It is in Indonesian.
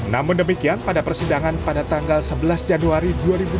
namun demikian pada persidangan pada tanggal sebelas januari dua ribu dua puluh